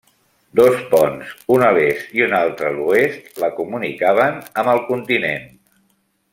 Dos ponts, un a l'est i un altre a l'oest, la comunicaven amb el continent.